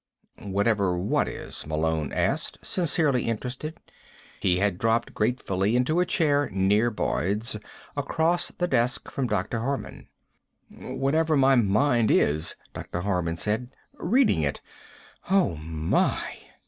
"Whatever what is?" Malone asked, sincerely interested. He had dropped gratefully into a chair near Boyd's, across the desk from Dr. Harman. "Whatever my mind is," Dr. Harman said. "Reading it. Oh, my."